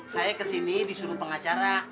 saya ke sini disuruh pengacara